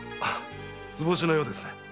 図星のようですね。